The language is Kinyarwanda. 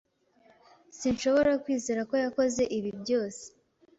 Sinshobora kwizera ko yakoze ibi byose.